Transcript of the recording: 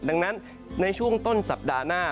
ดังนั้นในช่วงต้นสัปดาห์หน้า